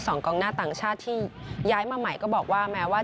สองกองหน้าต่างชาติที่ย้ายมาใหม่ก็บอกว่าแม้ว่า